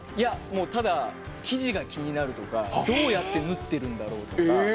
ただ生地が気になるというかどうやって縫ってるんだろうとか。